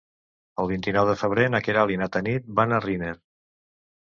El vint-i-nou de febrer na Queralt i na Tanit van a Riner.